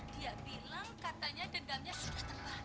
dia bilang katanya dengannya sudah terbatas